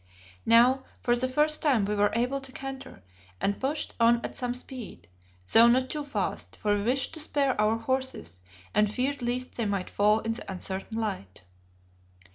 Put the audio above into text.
Now for the first time we were able to canter, and pushed on at some speed, though not too fast, for we wished to spare our horses and feared lest they might fall in the uncertain light.